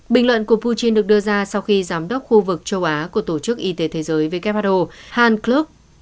bình luận của putin được đưa ra sau khi giám đốc khu vực châu á của tổ chức y tế thế giới who hanklub